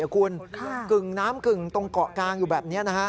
คุณกึ่งน้ำกึ่งตรงเกาะกลางอยู่แบบนี้นะฮะ